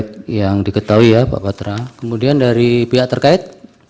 terima kasih yang diketahui ya pak patra kemudian dari pihak terkait